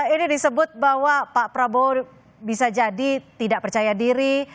ini disebut bahwa pak prabowo bisa jadi tidak percaya diri